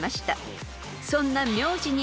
［そんな］